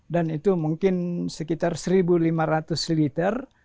dan itu mungkin sekitar satu lima ratus liter